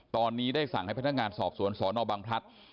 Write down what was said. ตอนนี้ได้สั่งให้พนักงานสอบสวนสนบังพลัด